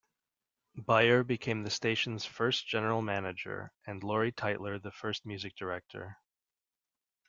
Baier became the station's first General Manager and Lori Teitler the first Music Director.